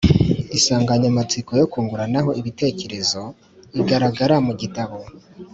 insanganyamatsiko yo kunguranaho ibitekerezo igaragara mu gitabo